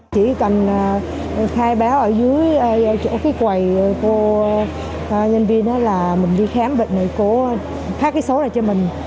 chỉ cần khai báo ở dưới chỗ cái quầy cô nhân viên là mình đi khám bệnh này cô phát cái số lại cho mình